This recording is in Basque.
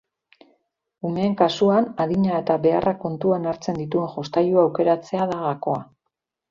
Umeen kasuan, adina eta beharrak kontuan hartzen dituen jostailua aukeratzea da gakoa.